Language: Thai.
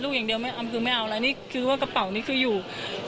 พูดสิทธิ์ข่าวธรรมดาทีวีรายงานสดจากโรงพยาบาลพระนครศรีอยุธยาครับ